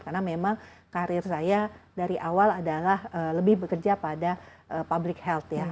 karena memang karir saya dari awal adalah lebih bekerja pada public health ya